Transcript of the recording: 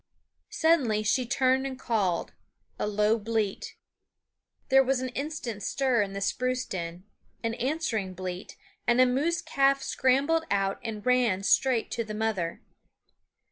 Suddenly she turned and called, a low bleat. There was an instant stir in the spruce den, an answering bleat, and a moose calf scrambled out and ran straight to the mother.